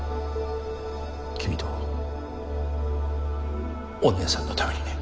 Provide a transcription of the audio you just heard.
君とお姉さんのためにね。